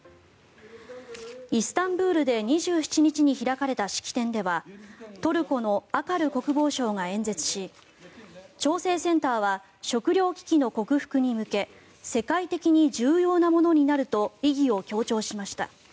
イスタンブールで２７日に開かれた式典ではトルコのアカル国防相が演説し調整センターは食料危機の克服に向け世界的に重要なものになると意義を強調しました。